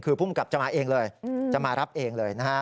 คือภูมิกับจะมาเองเลยจะมารับเองเลยนะฮะ